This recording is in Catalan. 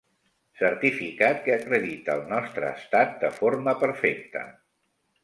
Certificat que acredita el nostre estat de forma perfecte.